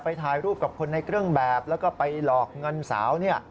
ถ่ายรูปกับคนในเครื่องแบบแล้วก็ไปหลอกเงินสาวเนี่ย